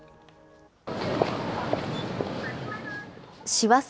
師走